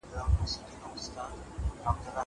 زه کتابتون ته تللي دي!!